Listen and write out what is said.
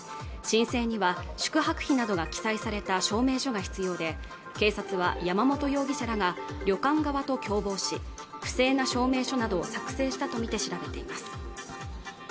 申請には宿泊費などが記載された証明書が必要で警察は山本容疑者らが旅館側と共謀し不正な証明書などを作成したとみて調べています